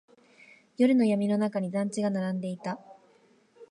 夜の闇の中に団地が並んでいた。